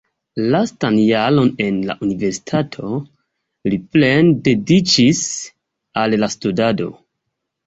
Lastan jaron en la universitato li plene dediĉis al la studado.